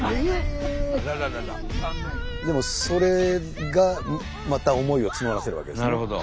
でもそれがまた思いを募らせるわけですね。